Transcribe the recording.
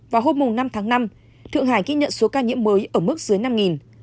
vào hôm năm tháng năm thượng hải ghi nhận số ca nhiễm mới ở mức dưới năm